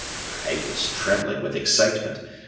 "I was trembling with excitement.